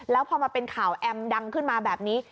แล้วพอมาเป็นข่าวแอมดังขึ้นมาแบบนี้